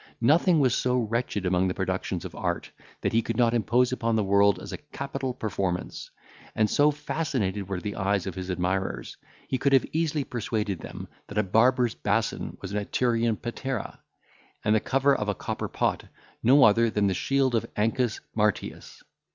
Nothing was so wretched among the productions of art, that he could not impose upon the world as a capital performance; and so fascinated were the eyes of his admirers, he could easily have persuaded them that a barber's bason was an Etrurian patera, and the cover of a copper pot no other than the shield of Ancus Martius.